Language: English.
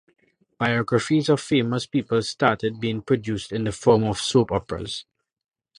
Biographies of famous people started being produced in the form of soap operas.